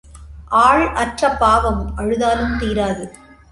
ஆள் அற்ற பாவம் அழுதாலும் தீராது.